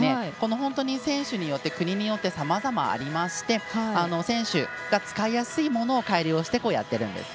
本当に選手によって国によってさまざまありまして選手が使いやすいものを改良してやってるんです。